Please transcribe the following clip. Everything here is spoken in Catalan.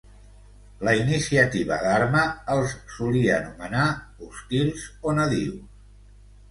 La Iniciativa Dharma els solia anomenar Hostils o Nadius.